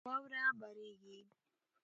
واوره بارېږي.